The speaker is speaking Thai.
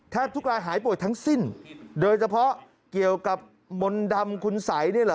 ทุกรายหายป่วยทั้งสิ้นโดยเฉพาะเกี่ยวกับมนต์ดำคุณสัยเนี่ยเหรอ